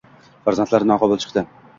Farzandlari noqobil chiqdi